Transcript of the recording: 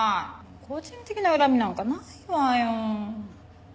個人的な恨みなんかないわよ。